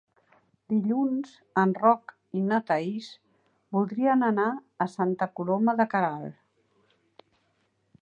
Dilluns en Roc i na Thaís voldrien anar a Santa Coloma de Queralt.